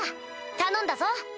頼んだぞ！